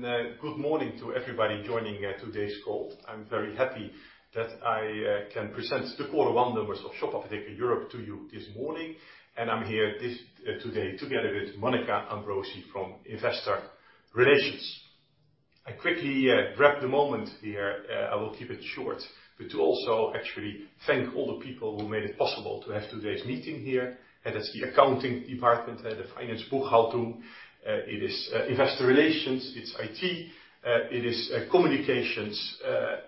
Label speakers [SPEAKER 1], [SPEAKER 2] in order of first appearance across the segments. [SPEAKER 1] Good morning to everybody joining today's call. I'm very happy that I can present the quarter one numbers of Shop Apotheke Europe to you this morning, and I'm here today together with Monica Ambrosi from Investor Relations. I quickly grab the moment here. I will keep it short, but to also actually thank all the people who made it possible to have today's meeting here. As the accounting department, the finance buchhaltung, it is Investor Relations, it's IT, it is Communications,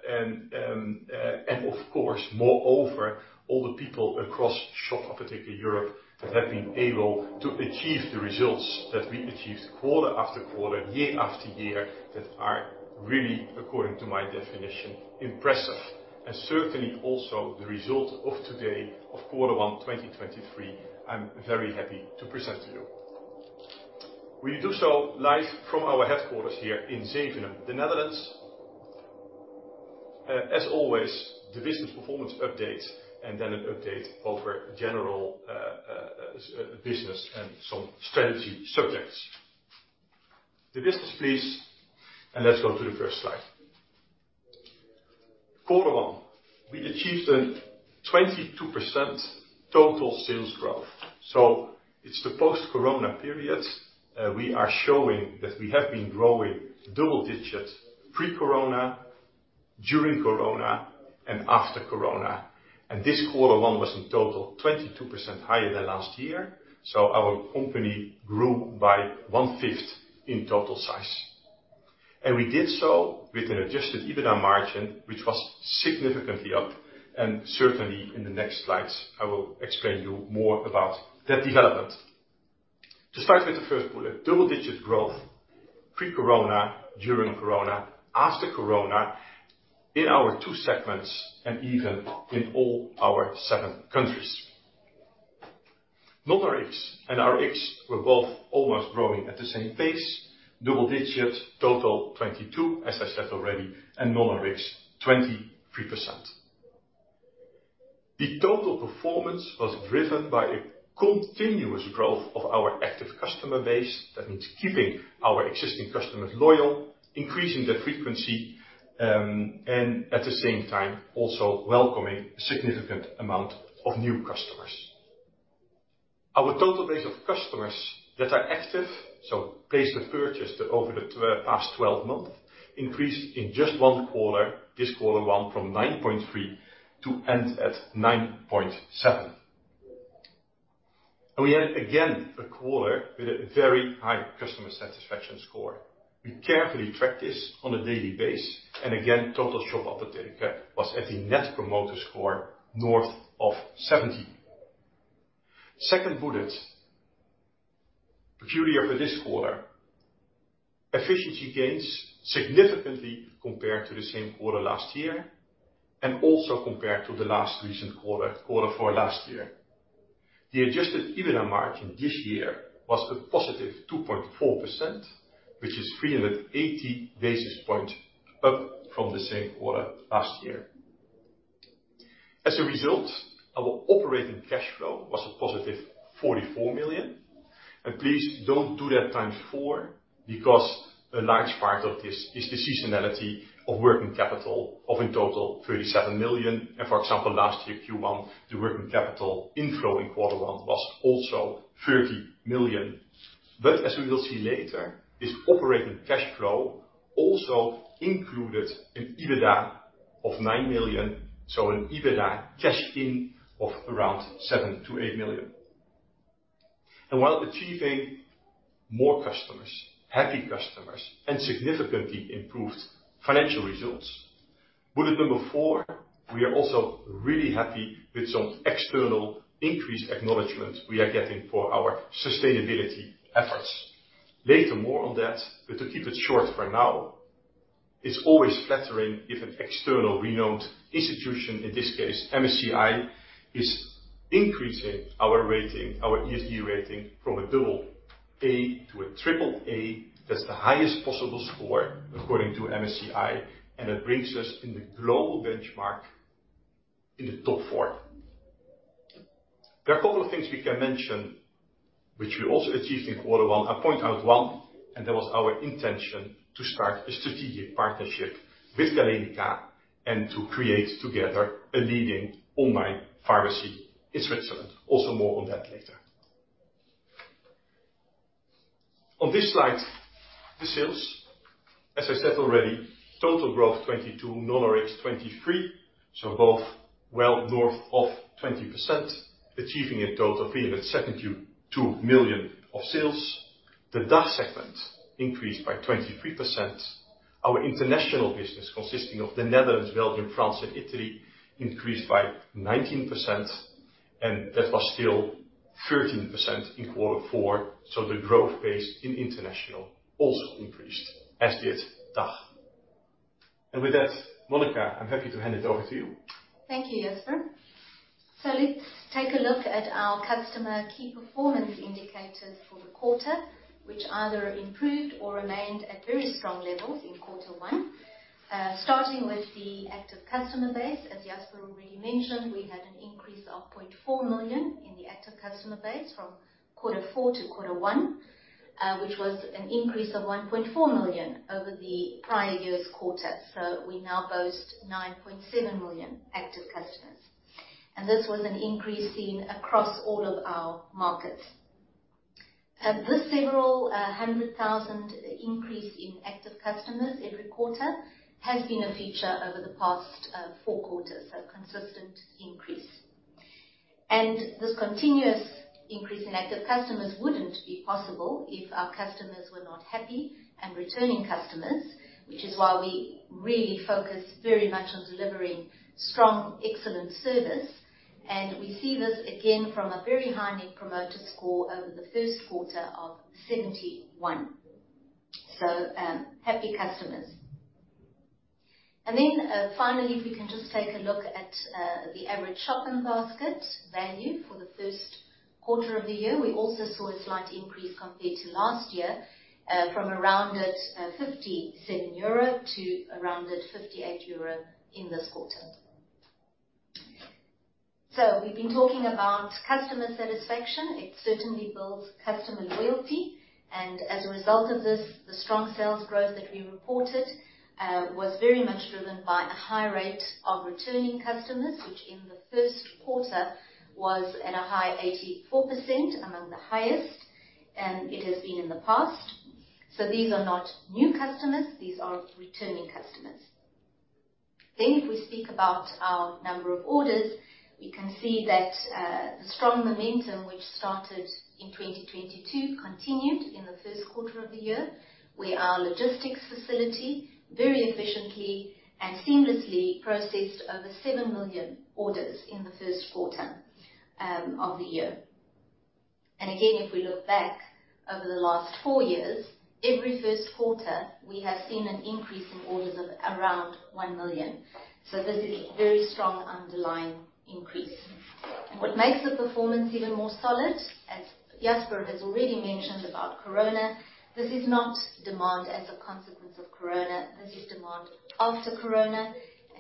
[SPEAKER 1] and of course, moreover, all the people across Shop Apotheke Europe that have been able to achieve the results that we achieved quarter after quarter, year after year, that are really according to my definition, impressive. Certainly also the result of today of quarter one 2023, I'm very happy to present to you. We do so live from our headquarters here in Zevenaar, the Netherlands. As always, the business performance update an update over general business and some strategy subjects. The business please, let's go to the first slide. Quarter one, we achieved a 22% total sales growth. It's the post-corona period. We are showing that we have been growing double digits pre-corona, during corona, and after corona. This quarter one was in total 22% higher than last year. Our company grew by one-fifth in total size. We did so with an adjusted EBITDA margin, which was significantly up, and certainly in the next slides, I will explain you more about that development. To start with the first bullet, double-digit growth, pre-corona, during corona, after corona, in our two segments and even in all our seven countries. Non-Rx and RX were both almost growing at the same pace, double digits, total 22, as I said already, and Non-Rx, 23%. The total performance was driven by a continuous growth of our active customer base. That means keeping our existing customers loyal, increasing their frequency, and at the same time, also welcoming a significant amount of new customers. Our total base of customers that are active, so placed a purchase over the past 12 months, increased in just one quarter, this quarter one, from 9.3 to end at 9.7. We had again, a quarter with a very high customer satisfaction score. We carefully track this on a daily base. Again, total Shop Apotheke was at the Net Promoter Score north of 70. Second bullet, peculiar for this quarter. Efficiency gains significantly compared to the same quarter last year, also compared to the last recent quarter, quarter 4 last year. The adjusted EBITDA margin this year was a positive 2.4%, which is 380 basis points up from the same quarter last year. As a result, our operating cash flow was a positive 44 million. Please don't do that times four, because a large part of this is the seasonality of working capital of in total 37 million. For example, last year, Q1, the working capital inflow in Q1 was also 30 million. As we will see later, this operating cash flow also included an EBITDA of 9 million. An EBITDA cash in of around 7 million-8 million. While achieving more customers, happy customers, and significantly improved financial results, bullet number 4, we are also really happy with some external increased acknowledgment we are getting for our sustainability efforts. Later, more on that, but to keep it short for now, it's always flattering if an external renowned institution, in this case, MSCI, is increasing our rating, our ESG rating from a AA to a AAA. That's the highest possible score according to MSCI, and it brings us in the global benchmark in the top 4. There are a couple of things we can mention which we also achieved in quarter one. I point out 1, and that was our intention to start a strategic partnership with Galenica and to create together a leading online pharmacy in Switzerland. More on that later. On this slide, the sales, as I said already, total growth 22%, Non-Rx 23%. Both well north of 20%, achieving a total 372 million of sales. The DACH segment increased by 23%. Our international business consisting of the Netherlands, Belgium, France and Italy increased by 19%, and that was still 13% in quarter 4. The growth pace in international also increased as did DACH. With that, Monica, I'm happy to hand it over to you.
[SPEAKER 2] Thank you, Jasper. let's take a look at our customer Key Performance Indicators for the quarter, which either improved or remained at very strong levels in quarter one. Starting with the active customer base, as Jasper already mentioned, we had an increase of 0.4 million in the active customer base from quarter four to quarter one, which was an increase of 1.4 million over the prior year's quarter. We now boast 9.7 million active customers. This was an increase seen across all of our markets. This several hundred thousand increase in active customers every quarter has been a feature over the past four quarters, a consistent increase. This continuous increase in active customers wouldn't be possible if our customers were not happy and returning customers, which is why we really focus very much on delivering strong, excellent service. We see this again from a very high Net Promoter Score over the first quarter of 71. Happy customers. Finally, if we can just take a look at the average shopping basket value for the first quarter of the year. We also saw a slight increase compared to last year, from around at 57 euro to around at 58 euro in this quarter. We've been talking about customer satisfaction. It certainly builds customer loyalty, and as a result of this, the strong sales growth that we reported, was very much driven by a high rate of returning customers, which in the first quarter was at a high 84%, among the highest, and it has been in the past. These are not new customers, these are returning customers. If we speak about our number of orders, we can see that the strong momentum which started in 2022 continued in the first quarter of the year, where our logistics facility very efficiently and seamlessly processed over 7 million orders in the first quarter of the year. Again, if we look back over the last 4 years, every first quarter, we have seen an increase in orders of around 1 million. This is a very strong underlying increase. What makes the performance even more solid, as Jasper has already mentioned about Corona, this is not demand as a consequence of Corona, this is demand after Corona.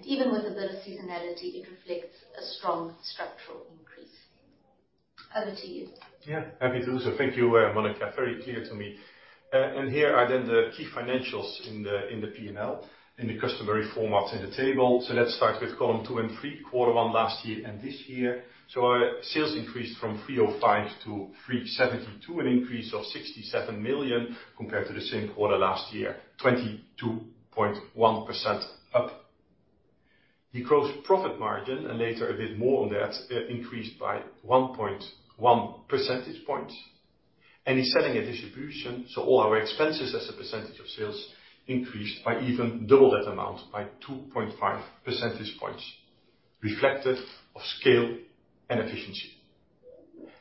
[SPEAKER 2] Even with a bit of seasonality, it reflects a strong structural increase. Over to you.
[SPEAKER 1] Happy to. Thank you, Monica. Very clear to me. Here are the key financials in the P&L, in the customary format in the table. Let's start with column 2 and 3, quarter 1 last year and this year. Our sales increased from 305 to 372, an increase of 67 million compared to the same quarter last year, 22.1% up. The gross profit margin, and later a bit more on that, increased by 1.1 percentage points. In selling and distribution, all our expenses as a percentage of sales increased by even double that amount, by 2.5 percentage points, reflective of scale and efficiency.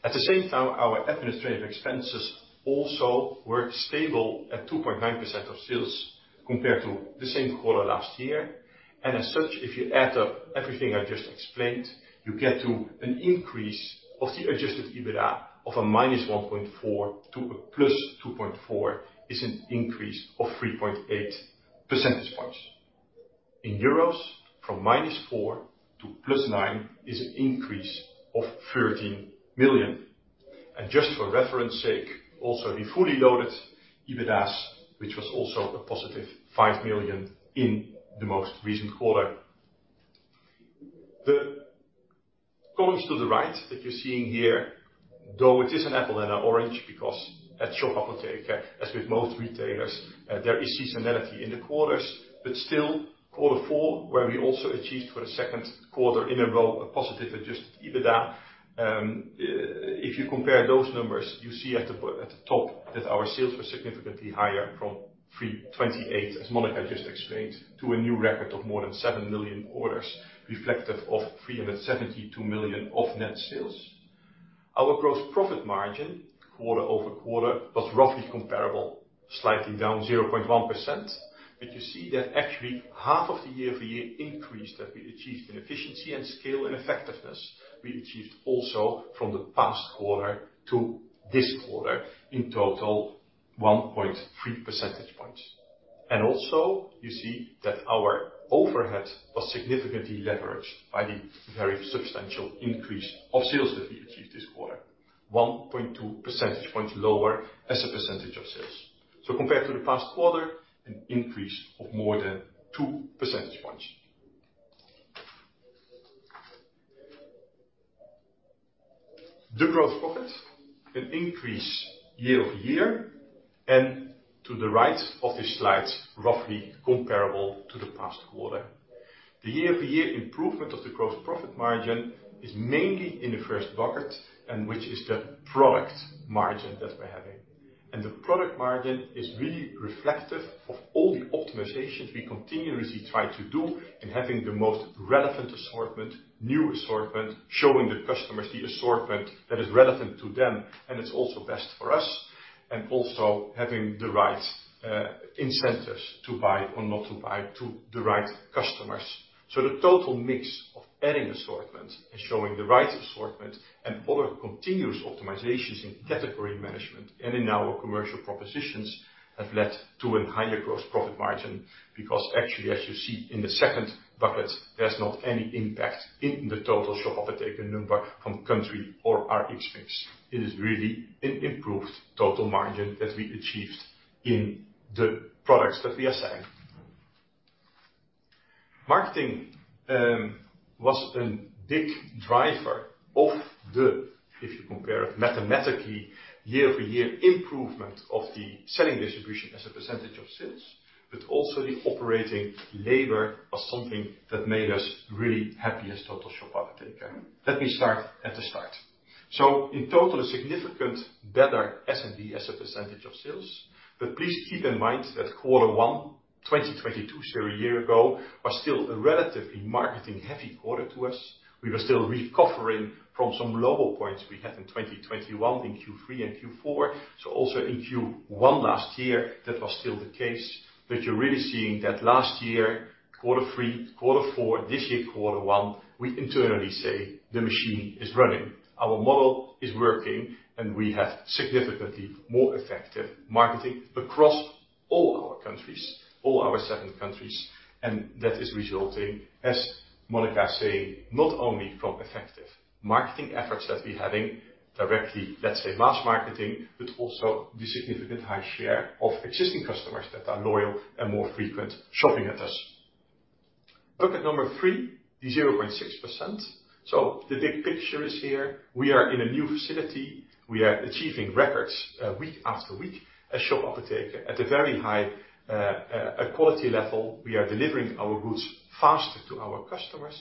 [SPEAKER 1] At the same time, our administrative expenses also were stable at 2.9% of sales compared to the same quarter last year. As such, if you add up everything I just explained, you get to an increase of the adjusted EBITDA of a -1.4 to a +2.4, is an increase of 3.8 percentage points. From -4 to +9 is an increase of 13 million. Just for reference sake, also the fully loaded EBITDA, which was also a positive 5 million in the most recent quarter. The columns to the right that you're seeing here, though it is an apple and an orange, because at Shop Apotheke, as with most retailers, there is seasonality in the quarters, but still, quarter four, where we also achieved for the second quarter in a row a positive adjusted EBITDA, if you compare those numbers, you see at the top that our sales were significantly higher from 328 million, as Monica just explained, to a new record of more than 7 million orders, reflective of 372 million of net sales. Our gross profit margin quarter-over-quarter was roughly comparable, slightly down 0.1%. You see that actually half of the year-over-year increase that we achieved in efficiency and scale and effectiveness, we achieved also from the past quarter to this quarter, in total 1.3 percentage points. Also you see that our overhead was significantly leveraged by the very substantial increase of sales that we achieved this quarter. 1.2 percentage points lower as a percentage of sales. Compared to the past quarter, an increase of more than 2 percentage points. The gross profit, an increase year-over-year, and to the right of this slide, roughly comparable to the past quarter. The year-over-year improvement of the gross profit margin is mainly in the first bucket, and which is the product margin that we're having. The product margin is really reflective of all the optimizations we continuously try to do in having the most relevant assortment, new assortment, showing the customers the assortment that is relevant to them and is also best for us, and also having the right incentives to buy or not to buy to the right customers. The total mix of adding assortment and showing the right assortment and other continuous optimizations in category management and in our commercial propositions have led to a higher gross profit margin because actually as you see in the second bucket, there's not any impact in the total Shop Apotheke number from country or our mix. It is really an improved total margin that we achieved in the products that we assign. Marketing was a big driver of the, if you compare it mathematically, year-over-year improvement of the selling distribution as a % of sales, but also the operating labor was something that made us really happy as total Shop Apotheke. Let me start at the start. In total, a significant better S&D as a % of sales. Please keep in mind that quarter 1 2022, a year ago, was still a relatively marketing heavy quarter to us. We were still recovering from some low points we had in 2021 in Q3 and Q4. Also in Q1 last year, that was still the case. You're really seeing that last year, Q3, Q4, this year, Q1, we internally say the machine is running, our model is working, and we have significantly more effective marketing across all our countries, all our seven countries. That is resulting, as Monica is saying, not only from effective marketing efforts that we're having directly, let's say, mass marketing, but also the significant high share of existing customers that are loyal and more frequent shopping with us. Bucket number three, the 0.6%. The big picture is here. We are in a new facility. We are achieving records, week after week as Shop Apotheke at a very high quality level. We are delivering our goods faster to our customers.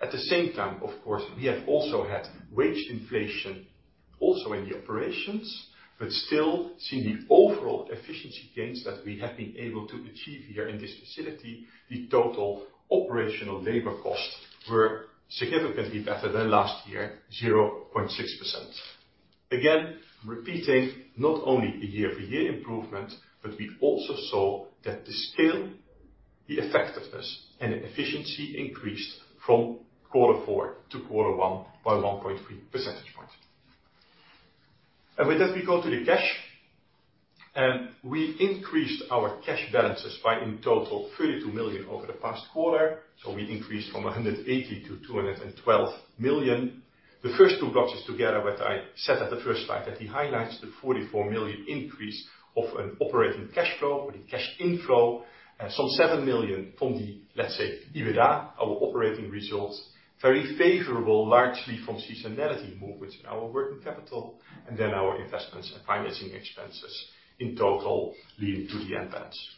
[SPEAKER 1] At the same time, of course, we have also had wage inflation also in the operations, but still see the overall efficiency gains that we have been able to achieve here in this facility. The total operational labor costs were significantly better than last year, 0.6%. Again, repeating not only a year-over-year improvement, but we also saw that the scale, the effectiveness and efficiency increased from quarter four to quarter one by 1.3 percentage point. With that, we go to the cash, and we increased our cash balances by in total 32 million over the past quarter. We increased from 180 million to 212 million. The first two boxes together, what I said at the first slide, that he highlights the 44 million increase of an operating cash flow or the cash inflow, and some 7 million from the, let's say, EBITDA, our operating results, very favorable, largely from seasonality movements in our working capital. Our investments and financing expenses in total leading to the events.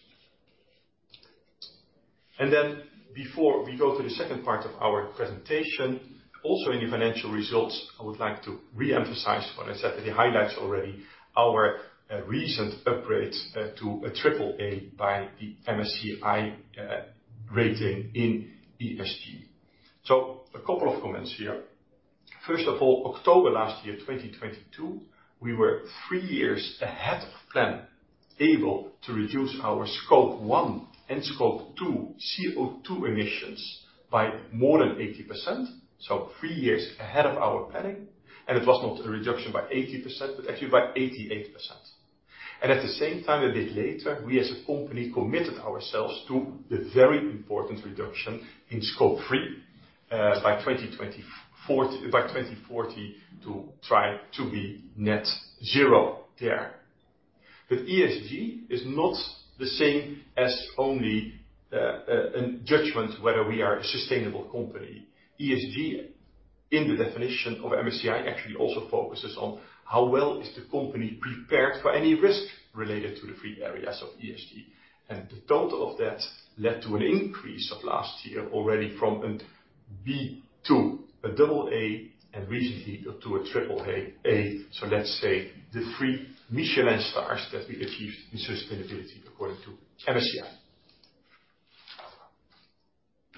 [SPEAKER 1] Before we go to the second part of our presentation, also in the financial results, I would like to reemphasize what I said in the highlights already, our recent upgrade to a AAA by the MSCI rating in ESG. A couple of comments here. First of all, October last year, 2022, we were three years ahead of plan, able to reduce our Scope 1 and Scope 2 CO2 emissions by more than 80%. Three years ahead of our planning. It was not a reduction by 80%, but actually by 88%. At the same time, a bit later, we as a company committed ourselves to the very important reduction in Scope 3 by 2040, to try to be net zero there. ESG is not the same as only a judgment whether we are a sustainable company. ESG, in the definition of MSCI, actually also focuses on how well is the company prepared for any risk related to the 3 areas of ESG. The total of that led to an increase of last year already from a B to an AA and recently to an AAA. Let's say the 3 Michelin stars that we achieved in sustainability according to MSCI.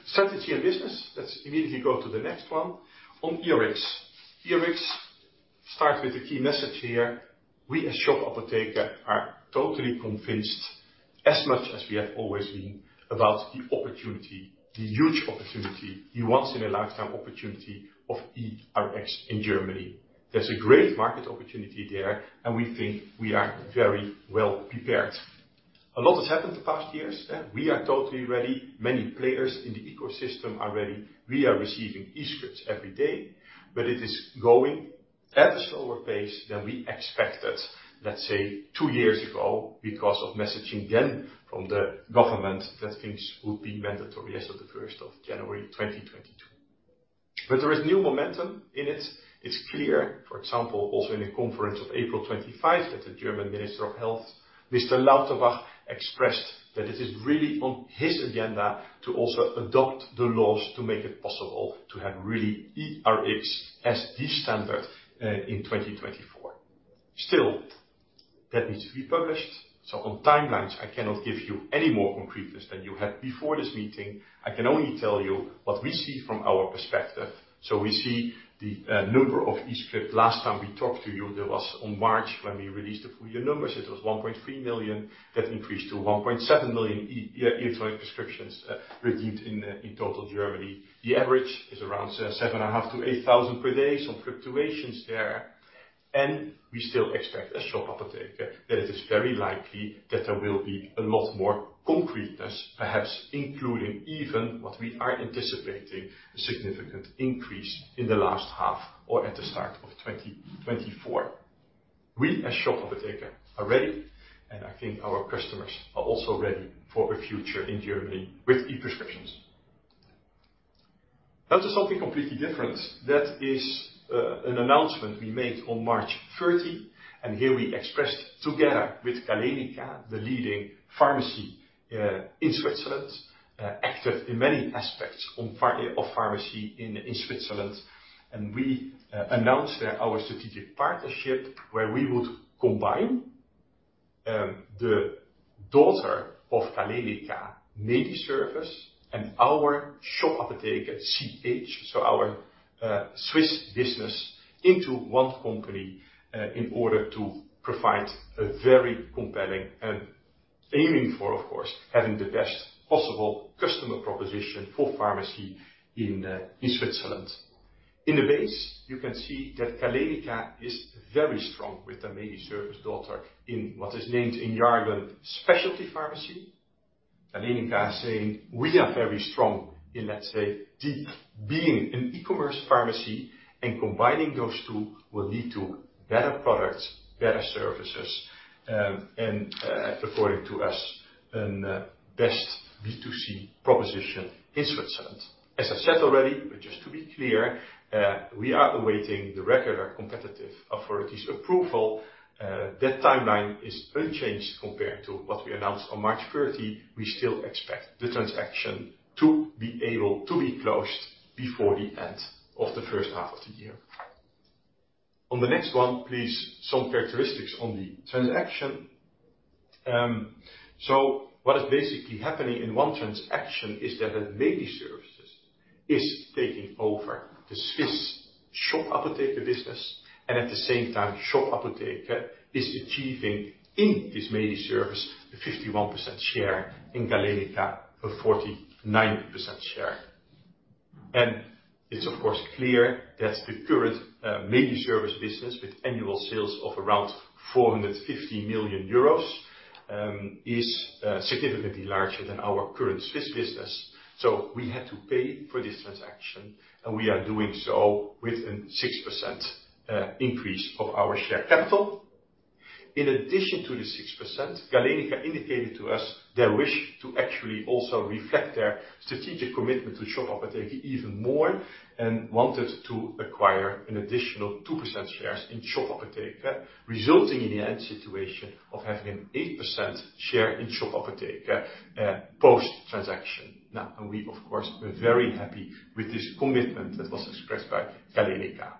[SPEAKER 1] Strategy and business. Let's immediately go to the next one on eRX. eRX starts with the key message here. We as Shop Apotheke are totally convinced, as much as we have always been, about the opportunity, the huge opportunity, the once in a lifetime opportunity of eRX in Germany. There's a great market opportunity there. We think we are very well prepared. A lot has happened the past years. We are totally ready. Many players in the ecosystem are ready. We are receiving eScripts every day. It is going at a slower pace than we expected, let's say, two years ago, because of messaging then from the government that things would be mandatory as of the 1st of January 2022. There is new momentum in it. It's clear, for example, also in the conference of April 25, that the German Minister of Health, Mr. Lauterbach expressed that it is really on his agenda to also adopt the laws to make it possible to have really eRx as the standard in 2024. That needs to be published. On timelines, I cannot give you any more concreteness than you had before this meeting. I can only tell you what we see from our perspective. We see the number of eScript. Last time we talked to you, that was on March when we released the full year numbers. It was 1.3 million. That increased to 1.7 million, yeah, electronic prescriptions redeemed in total Germany. The average is around 7,500 to 8,000 per day. Some fluctuations there. We still expect as Shop Apotheke, that it is very likely that there will be a lot more concreteness, perhaps including even what we are anticipating, a significant increase in the last half or at the start of 2024. We as Shop Apotheke are ready, I think our customers are also ready for a future in Germany with e-prescriptions. Now to something completely different. That is an announcement we made on March 30. Here we expressed together with Galenica, the leading pharmacy in Switzerland, active in many aspects of pharmacy in Switzerland. We announced there our strategic partnership, where we would combine the daughter of Galenica MediService and our shop-apotheke.ch, so our Swiss business, into one company in order to provide a very compelling and aiming for, of course, having the best possible customer proposition for pharmacy in Switzerland. In the base, you can see that Galenica is very strong with the mediservice daughter in what is named in jargon, specialty pharmacy. Galenica is saying, "We are very strong in, let's say, D, being an e-commerce pharmacy," and combining those two will lead to better products, better services, and according to us, an best B2C proposition in Switzerland. As I said already, but just to be clear, we are awaiting the regular competitive authorities approval. That timeline is unchanged compared to what we announced on March 30. We still expect the transaction to be able to be closed before the end of the first half of the year. On the next one, please, some characteristics on the transaction. What is basically happening in one transaction is that MediService is taking over the Swiss Shop Apotheke business, and at the same time, Shop Apotheke is achieving in this MediService a 51% share in Galenica, a 49% share. It's of course clear that the current MediService business with annual sales of around 450 million euros is significantly larger than our current Swiss business. We had to pay for this transaction, and we are doing so with an 6% increase of our share capital. In addition to the 6%, Galenica indicated to us their wish to actually also reflect their strategic commitment to Shop Apotheke even more and wanted to acquire an additional 2% shares in Shop Apotheke, resulting in the end situation of having an 8% share in Shop Apotheke post-transaction. We of course were very happy with this commitment that was expressed by Galenica.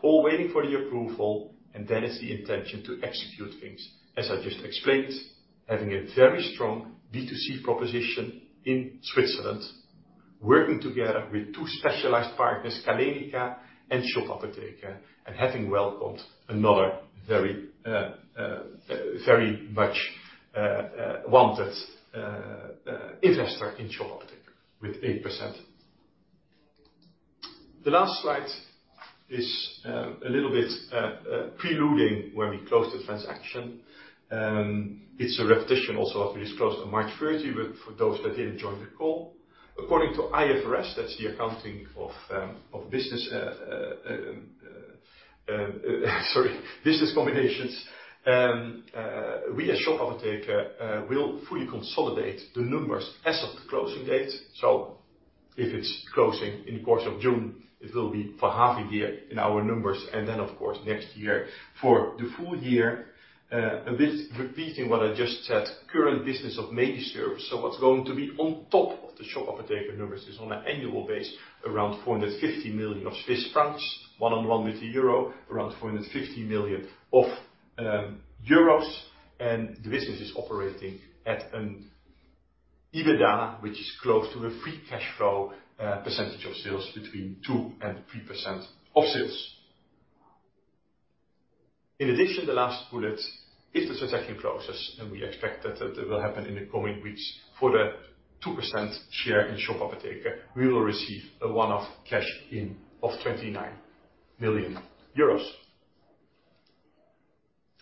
[SPEAKER 1] All waiting for the approval, it's the intention to execute things. As I just explained, having a very strong B2C proposition in Switzerland, working together with two specialized partners, Galenica and Shop Apotheke, and having welcomed another very, very much wanted investor in Shop Apotheke with 8%. The last slide is a little bit preluding when we close the transaction. It's a repetition also of what we disclosed on March 30, for those that didn't join the call. According to IFRS, that's the accounting of business combinations, we as Shop Apotheke will fully consolidate the numbers as of the closing date. If it's closing in the course of June, it will be for half a year in our numbers and then, of course, next year for the full year. A bit repeating what I just said, current business of Medservice. What's going to be on top of the Shop Apotheke numbers is on an annual base, around 450 million, one-on-one with the euro, around 450 million euros. The business is operating at an EBITDA which is close to a free cash flow percentage of sales between 2% and 3% of sales. In addition, the last bullet is the transaction process. We expect that will happen in the coming weeks. For the 2% share in Shop Apotheke, we will receive a one-off cash in of 29 million euros.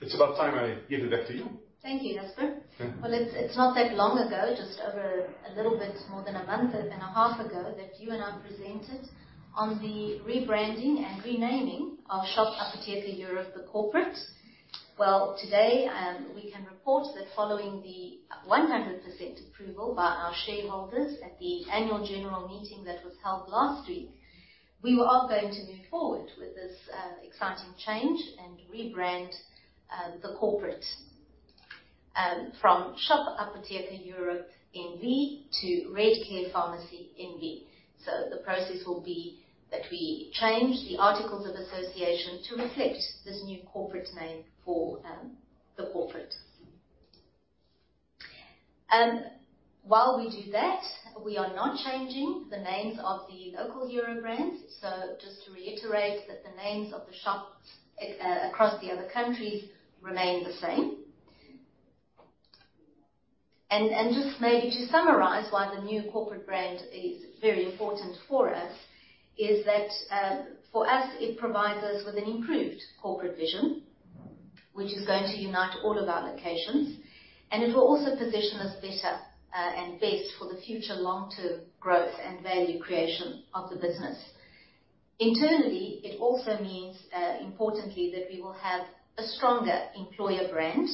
[SPEAKER 1] It's about time I give it back to you.
[SPEAKER 2] Thank you, Jasper.
[SPEAKER 1] Yeah.
[SPEAKER 2] It's not that long ago, just over a little bit more than a month and a half ago, that you and I presented on the rebranding and renaming of SHOP APOTHEKE EUROPE, the corporate. Today, we can report that following the 100% approval by our shareholders at the annual general meeting that was held last week, we are going to move forward with this exciting change and rebrand the corporate from Shop Apotheke Europe N.V. to Redcare Pharmacy N.V. The process will be that we change the articles of association to reflect this new corporate name for the corporate. While we do that, we are not changing the names of the local Euro brands. Just to reiterate that the names of the shops across the other countries remain the same. just maybe to summarize why the new corporate brand is very important for us is that, for us, it provides us with an improved corporate vision, which is going to unite all of our locations, and it will also position us better, and best for the future long-term growth and value creation of the business. Internally, it also means, importantly, that we will have a stronger employer brand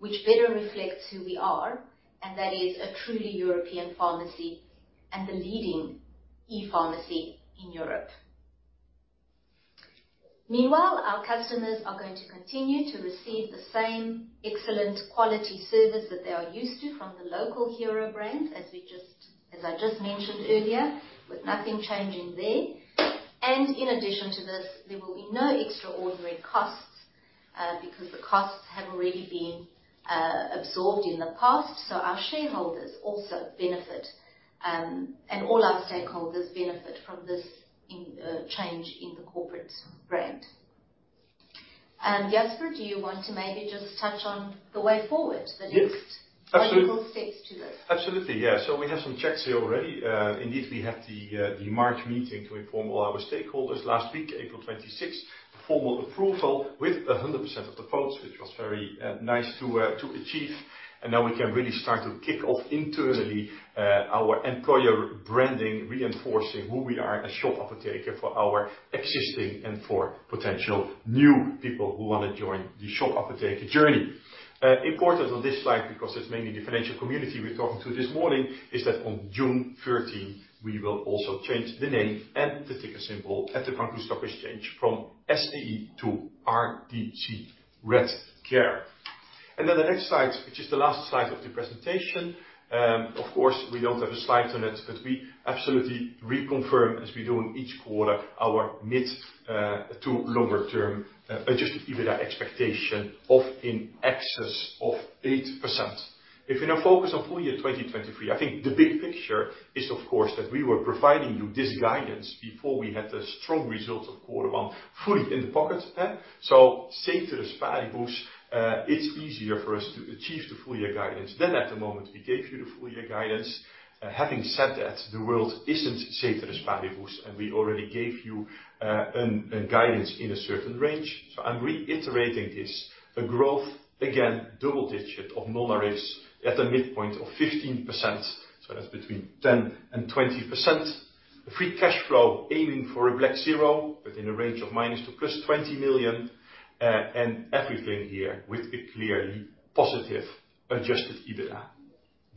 [SPEAKER 2] which better reflects who we are, and that is a truly European pharmacy and the leading e-pharmacy in Europe. Meanwhile, our customers are going to continue to receive the same excellent quality service that they are used to from the local hero brand, as I just mentioned earlier, with nothing changing there. In addition to this, there will be no extraordinary costs, because the costs have already been, absorbed in the past. Our shareholders also benefit, and all our stakeholders benefit from this in, change in the corporate brand. Jasper, do you want to maybe just touch on the way forward?
[SPEAKER 1] Yes.
[SPEAKER 2] practical steps to this?
[SPEAKER 1] Absolutely. Yeah. We have some checks here already. Indeed, we had the March meeting to inform all our stakeholders last week, April 26th. The formal approval with 100% of the votes, which was very nice to achieve. Now we can really start to kick off internally our employer branding, reinforcing who we are as Shop Apotheke for our existing and for potential new people who wanna join the Shop Apotheke journey. Important on this slide, because it's mainly the financial community we're talking to this morning, is that on June 13, we will also change the name and the ticker symbol at the Frankfurt Stock Exchange from STE to RDC, Redcare. The next slide, which is the last slide of the presentation, of course, we don't have a slide on it, but we absolutely reconfirm as we do in each quarter, our mid to longer term adjusted EBITDA expectation of in excess of 8%. If you now focus on full year 2023, I think the big picture is of course that we were providing you this guidance before we had the strong results of Q1 fully in the pocket. Safe to the status quo, it's easier for us to achieve the full year guidance than at the moment we gave you the full year guidance. Having said that, the world isn't safe to the status quo, and we already gave you a guidance in a certain range. I'm reiterating this, a growth, again, double-digit of Non-Rx at a midpoint of 15%, so that's between 10 million and 20 million, and everything here with a clearly positive adjusted EBITDA.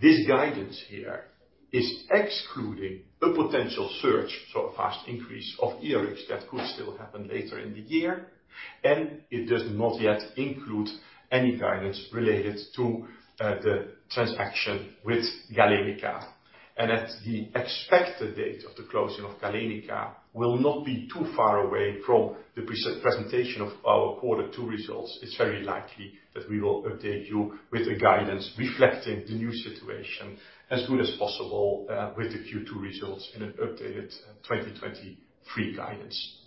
[SPEAKER 1] This guidance here is excluding a potential surge, so a fast increase of e-Rx that could still happen later in the year, and it does not yet include any guidance related to the transaction with Galenica. At the expected date of the closing of Galenica will not be too far away from the presentation of our quarter two results. It's very likely that we will update you with a guidance reflecting the new situation as good as possible with the Q2 results in an updated 2023 guidance.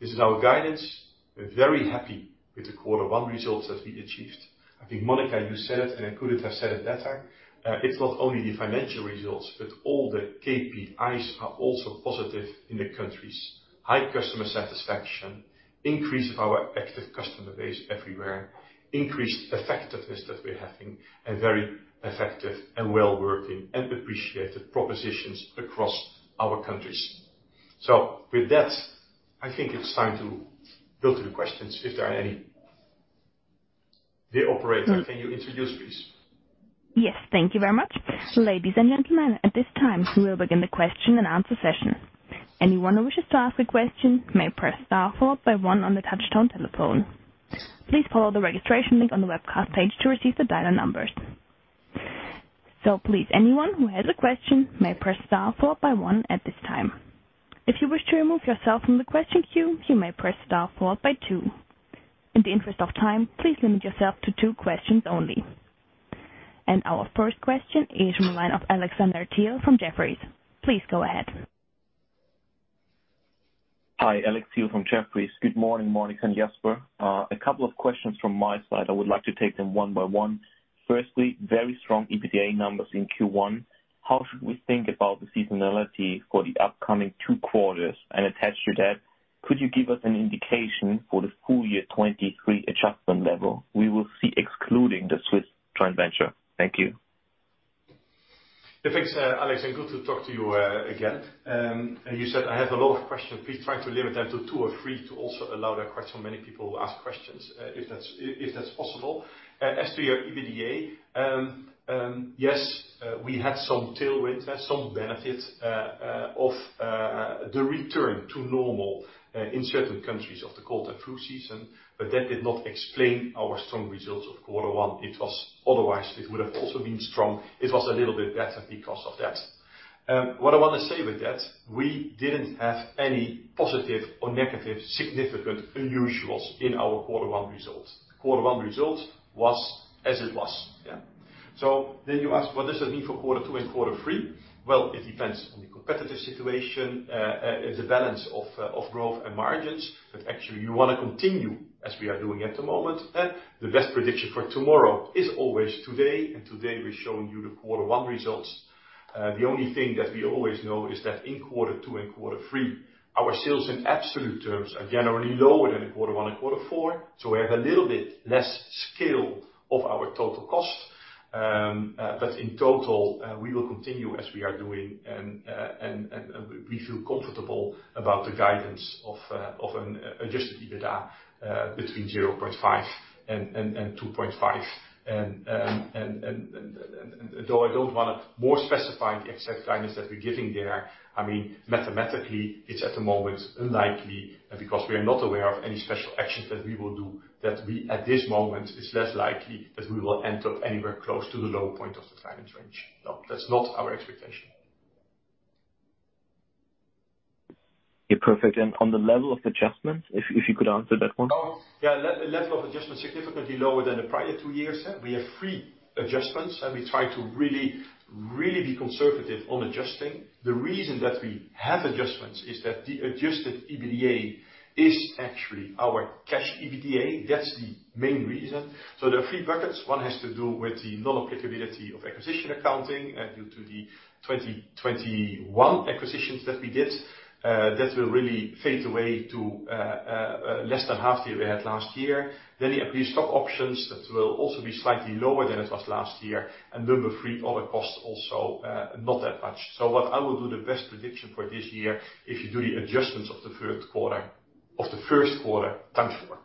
[SPEAKER 1] This is our guidance. We're very happy with the quarter one results that we achieved. I think, Monica, you said it, and I couldn't have said it better. It's not only the financial results, but all the KPIs are also positive in the countries. High customer satisfaction, increase of our active customer base everywhere, increased effectiveness that we're having, a very effective and well-working and appreciated propositions across our countries. With that, I think it's time to go to the questions, if there are any. The operator, can you introduce, please?
[SPEAKER 3] Yes, thank you very much. Ladies and gentlemen, at this time, we will begin the question and answer session. Anyone who wishes to ask a question may press star followed by one on the touchtone telephone. Please follow the registration link on the webcast page to receive the dial-in numbers. Please, anyone who has a question may press star followed by one at this time. If you wish to remove yourself from the question queue, you may press star followed by two. In the interest of time, please limit yourself to two questions only. Our first question is from the line of Alexander Thiel from Jefferies. Please go ahead.
[SPEAKER 4] Hi. Alex Thiel from Jefferies. Good morning, Monica and Jasper. A couple of questions from my side. I would like to take them one by one. Firstly, very strong EBITDA numbers in Q1. How should we think about the seasonality for the upcoming two quarters? Attached to that, could you give us an indication for the full year 2023 adjustment level we will see excluding the Swiss joint venture? Thank you.
[SPEAKER 1] Yeah, thanks, Alex. Good to talk to you again. You said I have a lot of questions. Please try to limit them to two or three to also allow there quite so many people who ask questions, if that's, if that's possible. As to your EBITDA, yes, we had some tailwind, some benefit, of the return to normal, in certain countries of the cold and flu season. That did not explain our strong results of quarter one. It was otherwise it would have also been strong. It was a little bit better because of that. What I want to say with that, we didn't have any positive or negative significant unusuals in our quarter one results. Quarter one results was as it was. Yeah. You ask, what does it mean for quarter two and quarter three? Well, it depends on the competitive situation, the balance of growth and margins, but actually you wanna continue as we are doing at the moment. The best prediction for tomorrow is always today, and today we're showing you the quarter one results. The only thing that we always know is that in quarter two and quarter three, our sales in absolute terms are generally lower than in quarter one and quarter four. We have a little bit less scale of our total cost. But in total, we will continue as we are doing, and we feel comfortable about the guidance of an adjusted EBITDA between 0.5% and 2.5%. Though I don't wanna more specify the exact guidance that we're giving there, I mean, mathematically it's at the moment unlikely because we are not aware of any special actions that we will do, that we at this moment it's less likely that we will end up anywhere close to the low point of the guidance range. That's not our expectation.
[SPEAKER 4] Yeah, perfect. On the level of adjustment, if you could answer that one.
[SPEAKER 1] Oh, yeah. Level of adjustment significantly lower than the prior 2 years. We have 3 adjustments, and we try to really be conservative on adjusting. The reason that we have adjustments is that the adjusted EBITDA is actually our cash EBITDA. That's the main reason. There are 3 buckets. One has to do with the non-applicability of acquisition accounting, due to the 2021 acquisitions that we did. That will really fade away to less than half that we had last year. You have the stock options. That will also be slightly lower than it was last year. Number 3, other costs also not that much. What I will do the best prediction for this year, if you do the adjustments of the first quarter times four.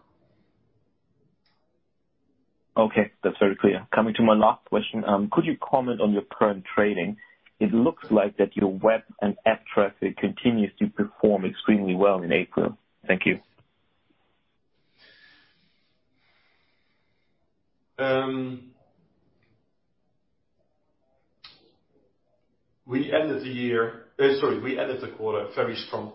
[SPEAKER 4] Okay, that's very clear. Coming to my last question. Could you comment on your current trading? It looks like that your web and app traffic continues to perform extremely well in April. Thank you.
[SPEAKER 1] We ended the year, sorry, we ended the quarter very strong,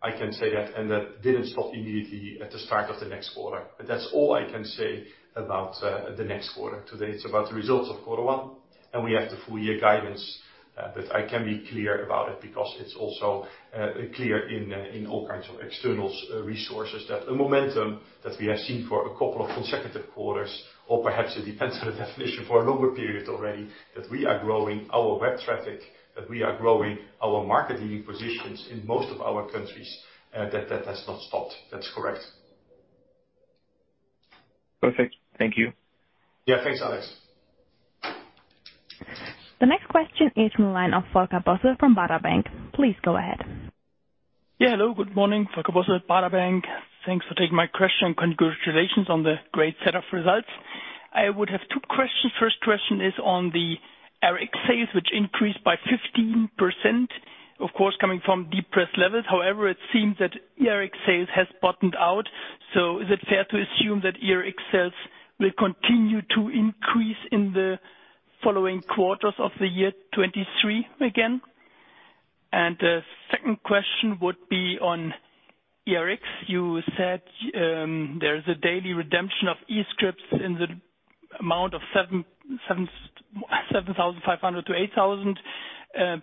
[SPEAKER 1] I can say that. That didn't stop immediately at the start of the next quarter. That's all I can say about the next quarter. Today it's about the results of quarter one. We have the full year guidance. I can be clear about it because it's also clear in all kinds of external resources that the momentum that we have seen for a couple of consecutive quarters, or perhaps it depends on the definition for a longer period already, that we are growing our web traffic, that we are growing our market leading positions in most of our countries, that has not stopped. That's correct.
[SPEAKER 4] Perfect. Thank you.
[SPEAKER 1] Yeah, thanks, Alex.
[SPEAKER 3] The next question is from the line of Volker Bosse from Baader Bank. Please go ahead.
[SPEAKER 5] Hello, good morning. Volker Bosse, Baader Bank. Thanks for taking my question, and congratulations on the great set of results. I would have two questions. First question is on the Rx sales, which increased by 15%, of course, coming from depressed levels. It seems that your Rx sales has bottomed out. Is it fair to assume that your Rx sales will continue to increase in the following quarters of the year 2023 again? The second question would be on Rx. You said there is a daily redemption of eScripts in the amount of 7,500-8,000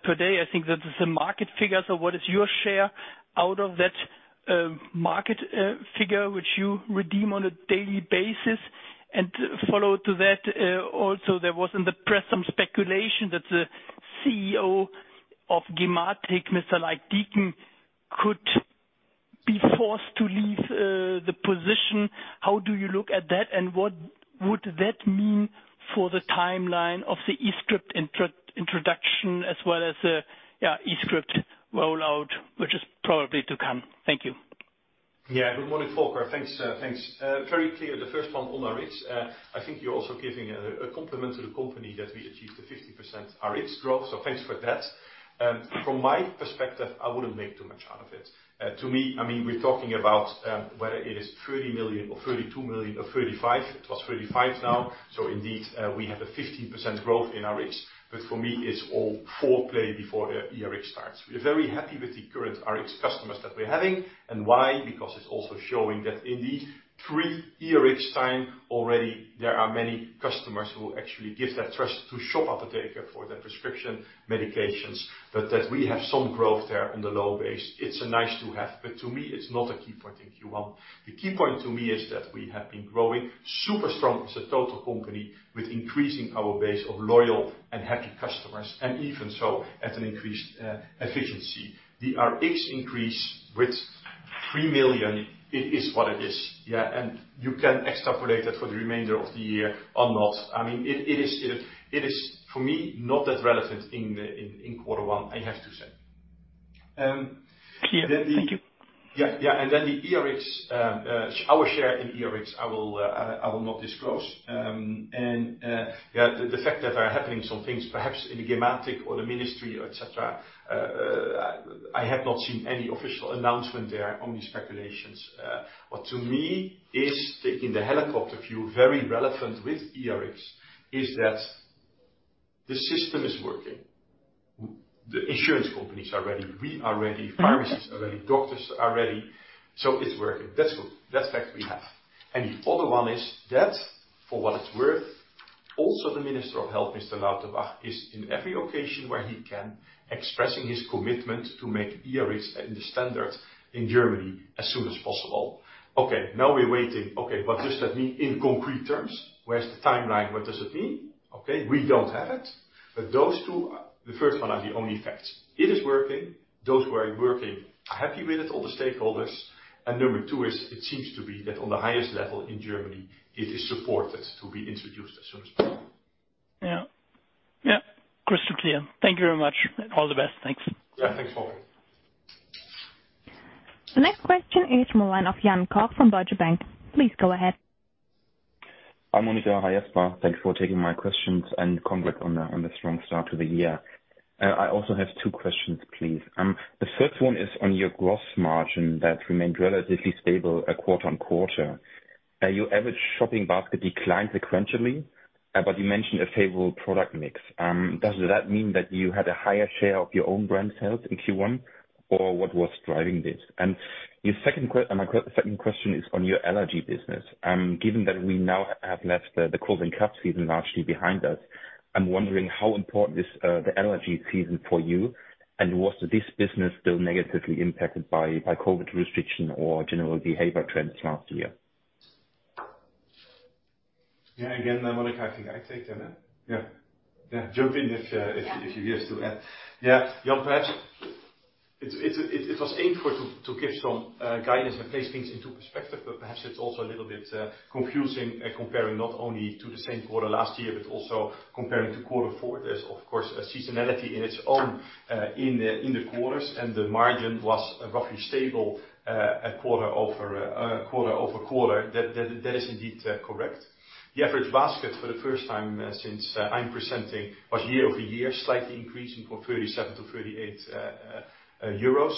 [SPEAKER 5] per day. I think that is a market figure. What is your share out of that market figure which you redeem on a daily basis? Follow to that, also there was in the press some speculation that the CEO of gematik, Mr. Leyck Dieken, could be forced to leave, the position. How do you look at that, and what would that mean for the timeline of the eScript introduction as well as the, yeah, eScript rollout, which is probably to come? Thank you.
[SPEAKER 1] Good morning, Volker. Thanks. Thanks. Very clear. The first one on Rx. I think you're also giving a compliment to the company that we achieved the 50% Rx growth. Thanks for that. From my perspective, I wouldn't make too much out of it. To me, I mean, we're talking about whether it is 30 million or 32 million or 35. It was 35 now. Indeed, we have a 15% growth in Rx, but for me it's all foreplay before Rx starts. We're very happy with the current Rx customers that we're having, and why? Because it's also showing that indeed pre-Rx time already there are many customers who actually give that trust to shop at the Apotheke for their prescription medications, but that we have some growth there on the low base. It's a nice-to-have, but to me it's not a key point in Q1. The key point to me is that we have been growing super strong as a total company with increasing our base of loyal and happy customers, and even so at an increased efficiency. The Rx increase with 3 million, it is what it is, yeah, and you can extrapolate that for the remainder of the year or not. I mean, it is for me, not that relevant in quarter one, I have to say.
[SPEAKER 5] Clear. Thank you.
[SPEAKER 1] Yeah. The Rx, our share in Rx, I will not disclose. The fact that there are happening some things perhaps in the gematik or the ministry, et cetera, I have not seen any official announcement there, only speculations. What to me is, taking the helicopter view, very relevant with Rx is that the system is working. With insurance companies are ready, we are ready, pharmacists are ready, doctors are ready, so it's working. That's good. That's fact we have. The other one is that, for what it's worth, also the Minister of Health, Mr. Lauterbach, is in every occasion where he can expressing his commitment to make Rx the standard in Germany as soon as possible. Okay, now we're waiting. Just let me in concrete terms, where's the timeline? What does it mean? Okay, we don't have it, but those two are. The first one are the only facts. It is working. Those who are working are happy with it, all the stakeholders. Number two is it seems to be that on the highest level in Germany it is supported to be introduced as soon as possible.
[SPEAKER 5] Yeah. Yeah. Crystal clear. Thank you very much. All the best. Thanks.
[SPEAKER 1] Yeah. Thanks, Volker.
[SPEAKER 3] The next question is from the line of Jan Koch from Deutsche. Please go ahead.
[SPEAKER 6] Hi, Monica. Hi, Jasper. Thanks for taking my questions, and congrats on the strong start to the year. I also have 2 questions, please. The first one is on your gross margin that remained relatively stable at quarter-on-quarter. Your average shopping basket declined sequentially, but you mentioned a favorable product mix. Does that mean that you had a higher share of your own brand sales in Q1, or what was driving this? Your second question is on your allergy business. Given that we now have left the Covid cough season largely behind us, I'm wondering how important this the allergy season for you, and was this business still negatively impacted by Covid restriction or general behavior trends last year?
[SPEAKER 1] Yeah. Again, Monica, I think I take that, yeah. Jump in if you wish to add. Yeah. Jan Koch. It was aim for to give some guidance and place things into perspective, but perhaps it's also a little bit confusing comparing not only to the same quarter last year, but also comparing to quarter 4. There's, of course, a seasonality in its own in the quarters, and the margin was roughly stable quarter-over-quarter. That is indeed correct. The average basket for the first time since I'm presenting was year-over-year, slightly increasing from 37 to 38 euros.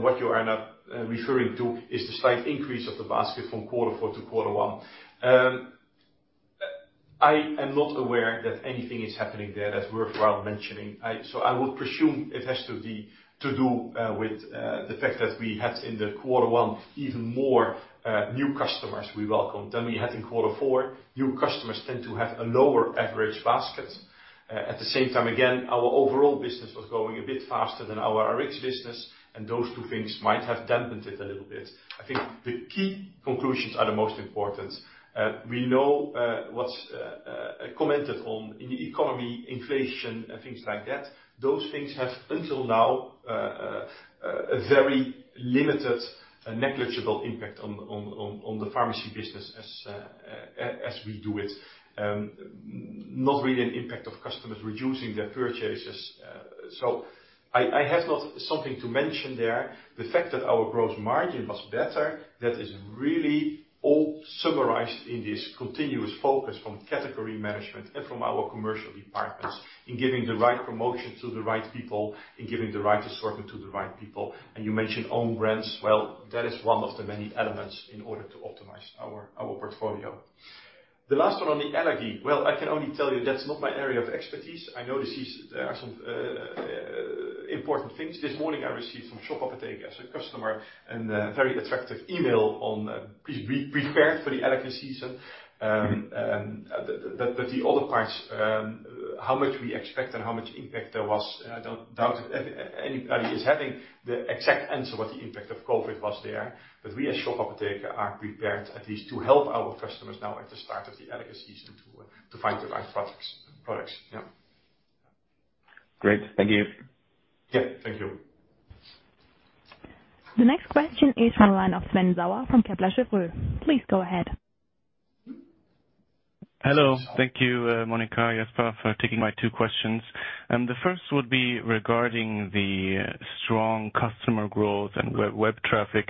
[SPEAKER 1] What you are now referring to is the slight increase of the basket from quarter four to quarter one. I am not aware that anything is happening there that's worthwhile mentioning. I would presume it has to be to do with the fact that we had in the quarter one even more new customers we welcomed than we had in quarter four. New customers tend to have a lower average basket. At the same time, again, our overall business was growing a bit faster than our RX business, and those two things might have dampened it a little bit. I think the key conclusions are the most important. We know what's commented on in the economy, inflation, and things like that. Those things have, until now, a very limited negligible impact on the pharmacy business as we do it. Not really an impact of customers reducing their purchases. I have not something to mention there. The fact that our gross margin was better, that is really all summarized in this continuous focus from category management and from our commercial departments in giving the right promotion to the right people and giving the right assortment to the right people. You mentioned own brands. That is one of the many elements in order to optimize our portfolio. The last one on the allergy. I can only tell you that's not my area of expertise. I know this is. There are some important things. This morning I received from Shop Apotheke as a customer and a very attractive email on, please be prepared for the allergy season. The other parts, how much we expect and how much impact there was, I don't doubt anybody is having the exact answer what the impact of Covid was there. We at Shop Apotheke are prepared at least to help our customers now at the start of the allergy season to find the right products. Yeah.
[SPEAKER 6] Great. Thank you.
[SPEAKER 1] Yeah. Thank you.
[SPEAKER 3] The next question is from the line of Sven Sauer from Kepler Cheuvreux. Please go ahead.
[SPEAKER 7] Hello. Thank you, Monica, Jasper, for taking my two questions. The first would be regarding the strong customer growth and web traffic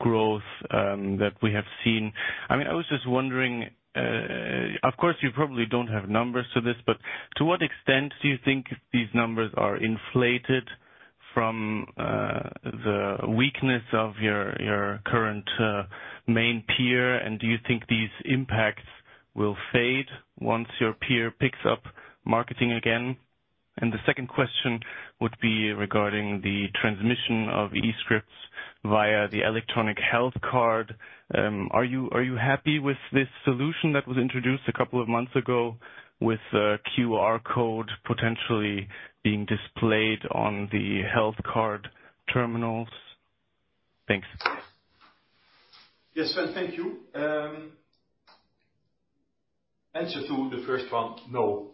[SPEAKER 7] growth that we have seen. I mean, I was just wondering, of course, you probably don't have numbers to this, but to what extent do you think these numbers are inflated from the weakness of your current main peer? Do you think these impacts will fade once your peer picks up marketing again? The second question would be regarding the transmission of eScripts via the electronic health card. Are you happy with this solution that was introduced a couple of months ago with a QR code potentially being displayed on the health card terminals? Thanks.
[SPEAKER 1] Yes, Sven. Thank you. Answer to the first one, no.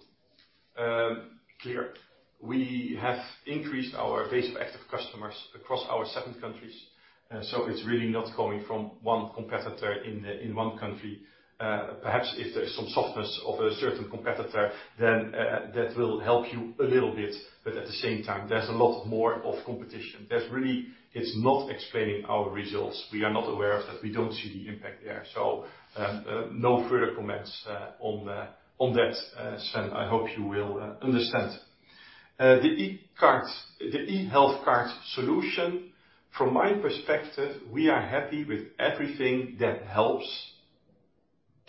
[SPEAKER 1] Clear. We have increased our base of active customers across our seven countries. It's really not coming from one competitor in one country. If there's some softness of a certain competitor, that will help you a little bit. At the same time, there's a lot more of competition. There's really it's not explaining our results. We are not aware of that. We don't see the impact there. No further comments on that Sven. I hope you will understand. The e-card, the eHealth card solution, from my perspective, we are happy with everything that helps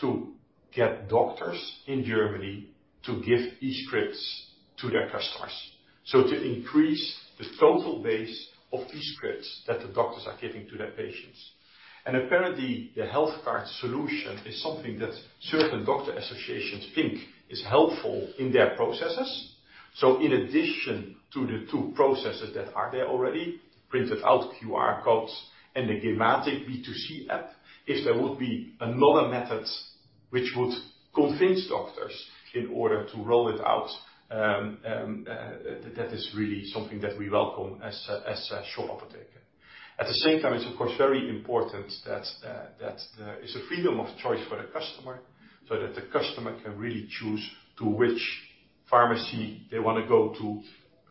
[SPEAKER 1] to get doctors in Germany to give eScripts to their customers, so to increase the total base of eScripts that the doctors are giving to their patients. Apparently, the health card solution is something that certain doctor associations think is helpful in their processes. In addition to the two processes that are there already, printed out QR codes and the gematik B2C app, if there would be another method which would convince doctors in order to roll it out, that is really something that we welcome as Shop Apotheke. At the same time, it's of course very important that there is a freedom of choice for the customer so that the customer can really choose to which pharmacy they wanna go to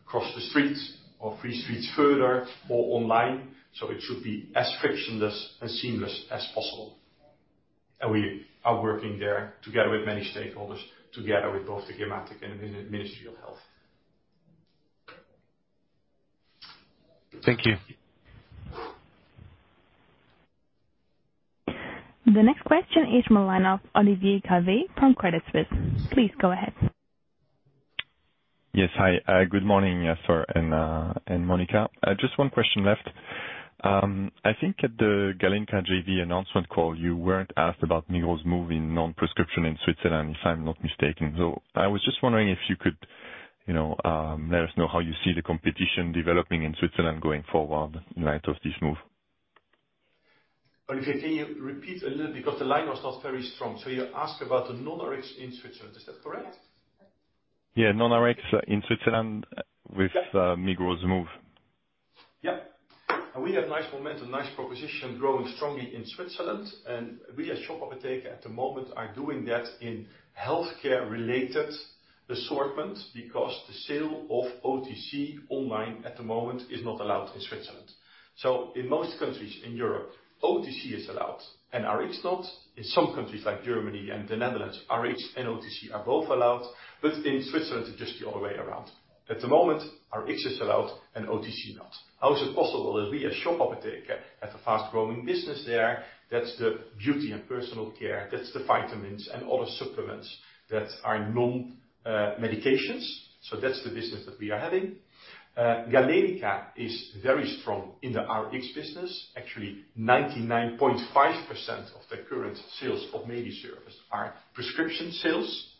[SPEAKER 1] across the street or three streets further or online. It should be as frictionless and seamless as possible. We are working there together with many stakeholders, together with both the gematik and Ministry of Health. Thank you.
[SPEAKER 3] The next question is from the line of Olivier Calvet from Credit Suisse. Please go ahead.
[SPEAKER 8] Yes. Hi, good morning, Jasper and Monica. Just one question left. I think at the Galenica JV announcement call, you weren't asked about Migros move in non-prescription in Switzerland, if I'm not mistaken. I was just wondering if you could, you know, let us know how you see the competition developing in Switzerland going forward in light of this move?
[SPEAKER 1] Olivier, can you repeat a little because the line was not very strong. You asked about the Non-Rx in Switzerland, is that correct?
[SPEAKER 8] Yeah, Non-Rx in Switzerland with Migros move.
[SPEAKER 1] We have nice momentum, nice proposition growing strongly in Switzerland, and we at Shop Apotheke at the moment are doing that in healthcare related assortment because the sale of OTC online at the moment is not allowed in Switzerland. In most countries in Europe, OTC is allowed and Rx not. In some countries like Germany and the Netherlands, Rx and OTC are both allowed, in Switzerland, it's just the other way around. At the moment, Rx is allowed and OTC not. How is it possible that we at Shop Apotheke have a fast-growing business there? That's the beauty and personal care, that's the vitamins and other supplements that are non medications. That's the business that we are having. Galenica is very strong in the Rx business. Actually, 99.5% of the current sales of MediService are prescription sales.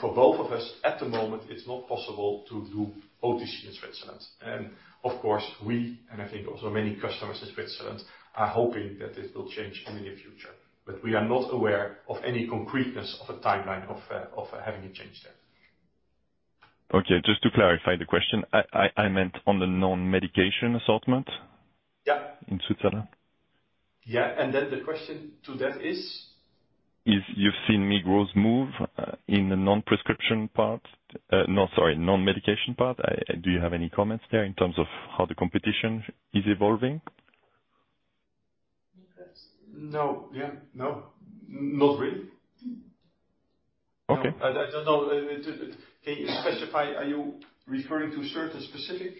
[SPEAKER 1] For both of us at the moment it's not possible to do OTC in Switzerland. Of course, we, and I think also many customers in Switzerland, are hoping that this will change in the near future. We are not aware of any concreteness of a timeline of having a change there.
[SPEAKER 8] Okay. Just to clarify the question. I meant on the non-medication assortment-
[SPEAKER 1] Yeah.
[SPEAKER 8] in Switzerland.
[SPEAKER 1] Yeah. Then the question to that is?
[SPEAKER 8] Is you've seen Migros move, in the non-prescription part. No, sorry, non-medication part. Do you have any comments there in terms of how the competition is evolving?
[SPEAKER 1] No. Yeah. No, not really.
[SPEAKER 8] Okay.
[SPEAKER 1] I don't know. Can you specify, are you referring to a certain specific,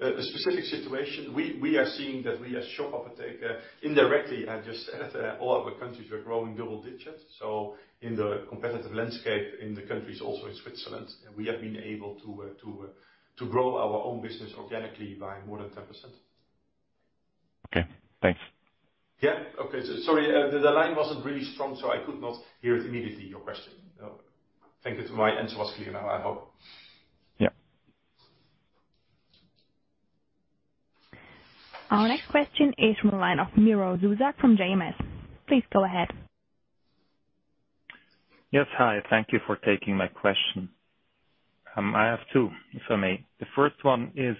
[SPEAKER 1] a specific situation? We are seeing that we at Shop Apotheke indirectly have just added all other countries are growing double digits. In the competitive landscape in the countries also in Switzerland, we have been able to grow our own business organically by more than 10%.
[SPEAKER 8] Okay, thanks.
[SPEAKER 1] Yeah. Okay. Sorry, the line wasn't really strong, so I could not hear it immediately, your question. Thank you. My answer was clear now, I hope.
[SPEAKER 8] Yeah.
[SPEAKER 3] Our next question is from the line of Miro Duzar from JMS. Please go ahead.
[SPEAKER 9] Yes. Hi, thank you for taking my question. I have two, if I may. The first one is,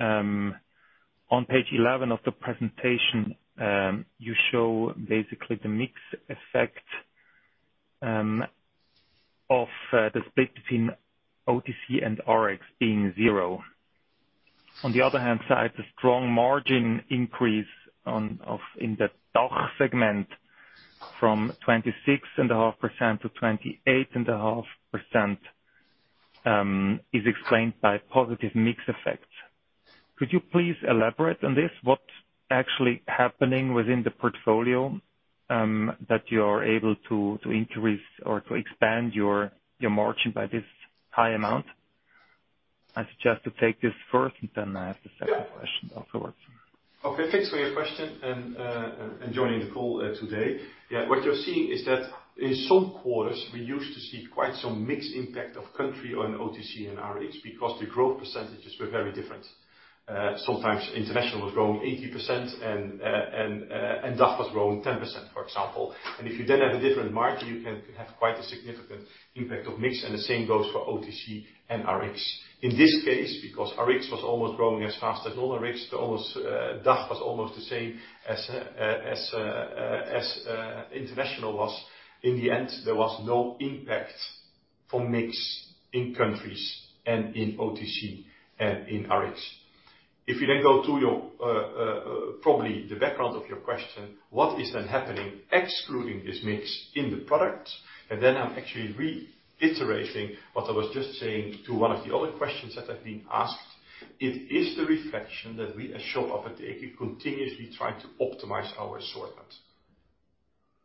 [SPEAKER 9] on page 11 of the presentation, you show basically the mix effect of the split between OTC and Rx being zero. On the other hand side, the strong margin increase of in the DACH segment from 26.5% to 28.5% is explained by positive mix effects. Could you please elaborate on this, what's actually happening within the portfolio, that you're able to increase or to expand your margin by this high amount? I suggest to take this first, and then I have the second question afterwards.
[SPEAKER 1] Okay, thanks for your question and joining the call today. What you're seeing is that in some quarters we used to see quite some mix impact of country on OTC and Rx because the growth percentages were very different. Sometimes international was growing 80% and DACH was growing 10%, for example. If you then have a different margin, you can have quite a significant impact of mix, and the same goes for OTC and Rx. Because Rx was almost growing as fast as all Rx, almost, DACH was almost the same as international was. In the end, there was no impact from mix in countries and in OTC and in Rx. If you then go to your, probably the background of your question, what is then happening excluding this mix in the products? I'm actually reiterating what I was just saying to one of the other questions that have been asked. It is the reflection that we as Shop Apotheke continuously try to optimize our assortment.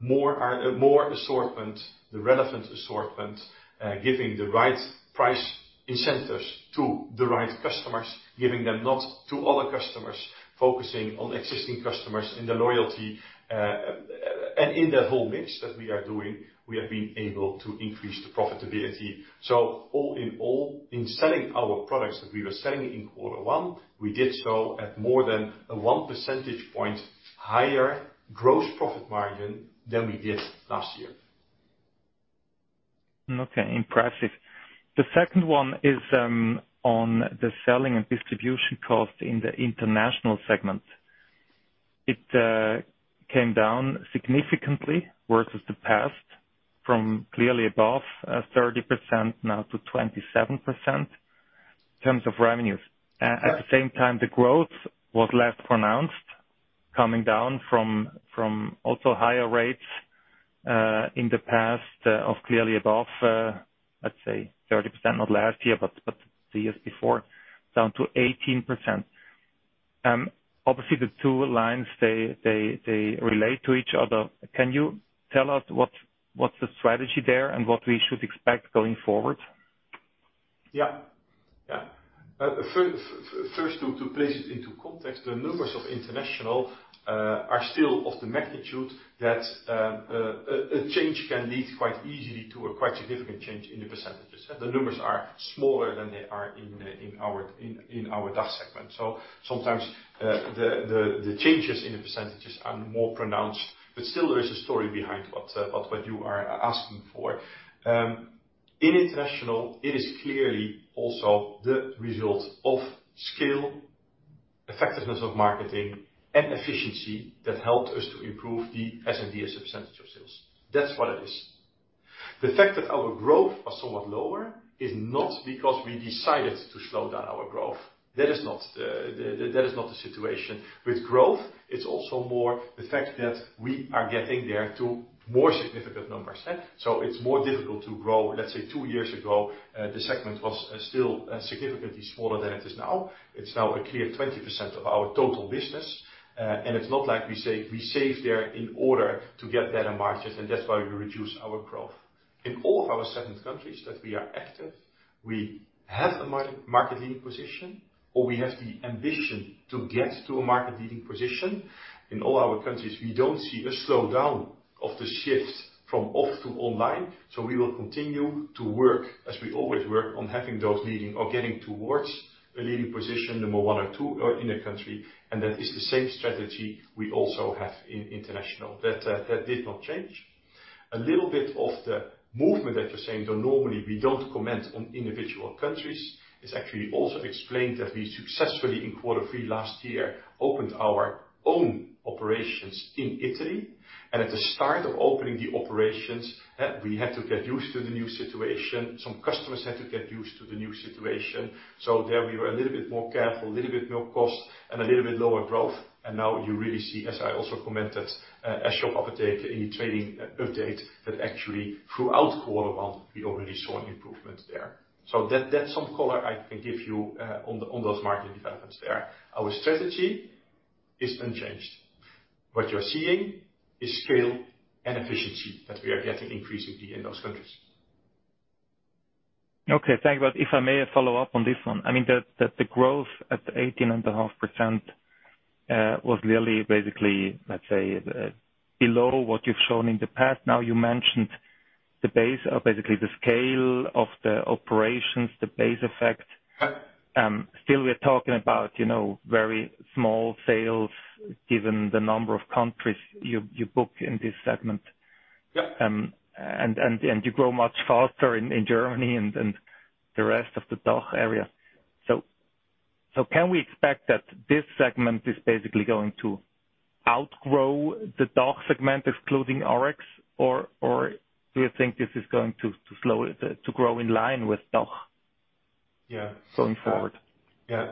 [SPEAKER 1] More assortment, the relevant assortment, giving the right price incentives to the right customers, giving them not to other customers, focusing on existing customers and the loyalty. And in that whole mix that we are doing, we have been able to increase the profitability. All in all, in selling our products that we were selling in quarter one, we did so at more than a 1 percentage point higher gross profit margin than we did last year.
[SPEAKER 9] Okay, impressive. The second one is on the selling and distribution cost in the international segment. It came down significantly versus the past from clearly above 30% now to 27% in terms of revenues.
[SPEAKER 1] Right.
[SPEAKER 9] At the same time, the growth was less pronounced. Coming down from also higher rates in the past, of clearly above, let's say 30%, not last year, but the years before, down to 18%. Obviously the two lines, they relate to each other. Can you tell us what's the strategy there and what we should expect going forward?
[SPEAKER 1] Yeah. Yeah. First to place it into context, the numbers of international are still of the magnitude that a change can lead quite easily to a quite significant change in the percentages. The numbers are smaller than they are in our DACH segment. Sometimes, the changes in the percentages are more pronounced, but still there is a story behind what you are asking for. In international it is clearly also the result of scale, effectiveness of marketing, and efficiency that helped us to improve the SMB as a % of sales. That's what it is. The fact that our growth was somewhat lower is not because we decided to slow down our growth. That is not that is not the situation. With growth, it's also more the fact that we are getting there to more significant numbers. It's more difficult to grow. Let's say two years ago, the segment was still significantly smaller than it is now. It's now a clear 20% of our total business. It's not like we say we save there in order to get better margins, and that's why we reduce our growth. In all of our seven countries that we are active, we have a market leading position, or we have the ambition to get to a market leading position. In all our countries, we don't see a slowdown of the shift from off to online, we will continue to work as we always work on having those leading or getting towards a leading position, number one or two in a country. That is the same strategy we also have in international. That did not change. A little bit of the movement that you're saying, though normally we don't comment on individual countries, is actually also explained that we successfully in quarter 3 last year, opened our own operations in Italy. At the start of opening the operations, we had to get used to the new situation. Some customers had to get used to the new situation. There we were a little bit more careful, a little bit more cost and a little bit lower growth. Now you really see, as I also commented, at Shop Apotheke in the trading update, that actually throughout quarter 1 we already saw an improvement there. That's some color I can give you on those market developments there. Our strategy is unchanged. What you're seeing is scale and efficiency that we are getting increasingly in those countries.
[SPEAKER 9] Okay, thank you. If I may follow up on this one. I mean, the growth at 18.5%, was really basically, let's say, below what you've shown in the past. Now, you mentioned the base or basically the scale of the operations, the base effect.
[SPEAKER 1] Yeah.
[SPEAKER 9] Still we are talking about, you know, very small sales given the number of countries you book in this segment.
[SPEAKER 1] Yeah.
[SPEAKER 9] You grow much faster in Germany and the rest of the DACH area. Can we expect that this segment is basically going to outgrow the DACH segment excluding RX? Do you think this is going to grow in line with DACH?
[SPEAKER 1] Yeah.
[SPEAKER 9] going forward?
[SPEAKER 1] Yeah.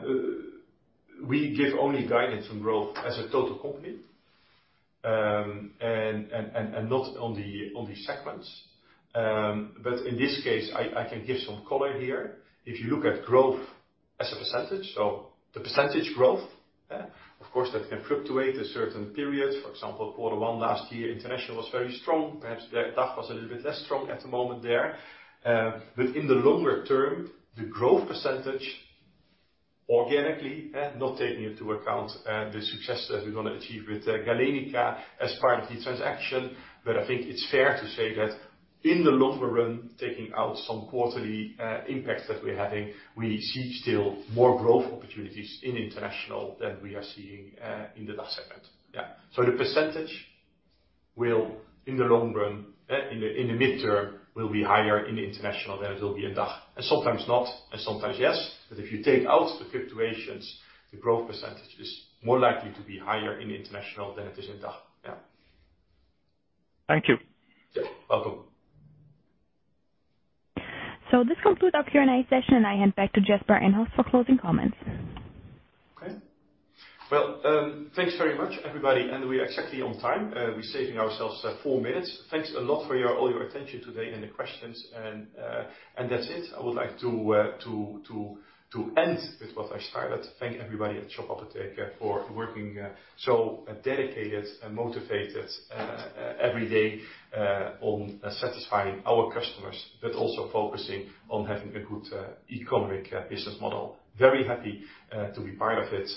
[SPEAKER 1] We give only guidance on growth as a total company, and not on the segments. In this case, I can give some color here. If you look at growth as a %, so the % growth, of course, that can fluctuate a certain period. For example, quarter one last year, international was very strong. Perhaps the DACH was a little bit less strong at the moment there. In the longer term, the growth % organically, not taking into account the success that we're gonna achieve with Galenica as part of the transaction. I think it's fair to say that in the longer run, taking out some quarterly impacts that we're having, we see still more growth opportunities in international than we are seeing in the DACH segment. Yeah. The % will, in the long run, in the, in the mid-term, will be higher in the international than it will be in DACH. Sometimes not, and sometimes yes, but if you take out the fluctuations, the growth % is more likely to be higher in the international than it is in DACH. Yeah.
[SPEAKER 9] Thank you.
[SPEAKER 1] You're welcome.
[SPEAKER 3] this concludes our Q&A session, and I hand back to Jasper Eenhorst for closing comments.
[SPEAKER 1] Okay. Well, thanks very much, everybody. We're exactly on time. We're saving ourselves 4 minutes. Thanks a lot for all your attention today and the questions. That's it. I would like to end with what I started. Thank everybody at Shop Apotheke for working so dedicated and motivated every day on satisfying our customers, but also focusing on having a good economic business model. Very happy to be part of it.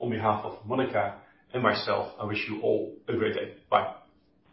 [SPEAKER 1] On behalf of Monica and myself, I wish you all a great day. Bye.